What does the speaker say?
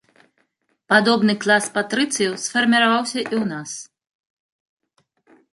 Падобны клас патрыцыяў сфарміраваўся і ў нас.